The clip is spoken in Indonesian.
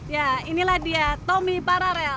ya inilah dia tommy paralel